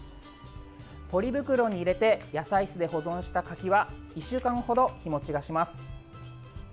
ポリ袋に入れて野菜室で保存した柿は１週間ほど日もちがします。